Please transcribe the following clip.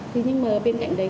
thế nhưng mà bên cạnh đấy